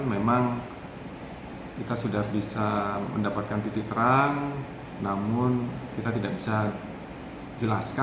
memang kita sudah bisa mendapatkan titik terang namun kita tidak bisa jelaskan